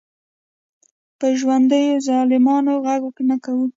په ژوندیو ظالمانو غږ نه کوو.